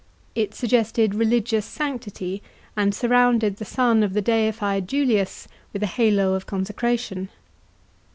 It suggested religious sanctity and surrounded the son of the deified Julius with a halo of con secration.